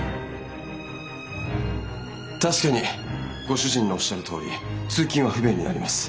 確かにご主人のおっしゃるとおり通勤は不便になります。